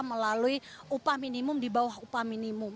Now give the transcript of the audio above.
melalui upah minimum di bawah upah minimum